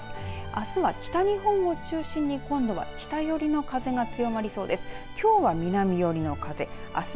あすは北日本を中心に今度は北寄りの風が強まりそうです。